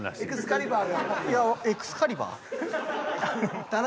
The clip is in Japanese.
エクスカリバーの話。